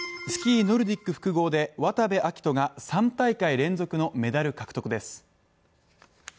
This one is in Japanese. スキー・ノルディック複合で渡部暁斗が３大会連続のメダル獲得です。